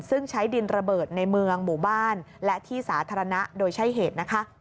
ซึ่งใช้ดินระเบิดในเมืองหมู่บ้านและที่สาธารณะโดยใช้เหตุนะคะ